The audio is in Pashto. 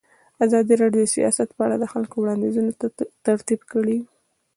ازادي راډیو د سیاست په اړه د خلکو وړاندیزونه ترتیب کړي.